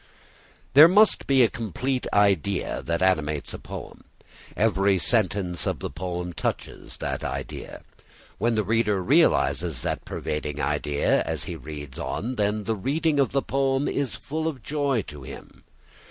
There must be a complete idea that animates a poem. Every sentence of the poem touches that idea. When the reader realises that pervading idea, as he reads on, then the reading of the poem is full of joy to him.